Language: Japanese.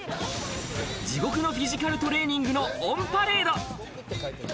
地獄のフィジカルトレーニングのオンパレード。